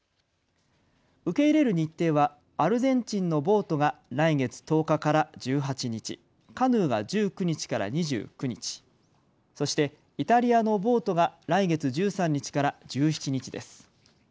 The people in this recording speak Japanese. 受け入れる日程はアルゼンチンのボートが来月１０日から１８日、カヌーは１９日から２９日、そしてイタリアのボートが来月１３日から１７日です。